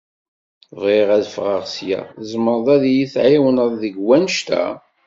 Bɣiɣ ad fɣeɣ sya, tzemreḍ ad iyi-tɛiwneḍ deg wanect-a?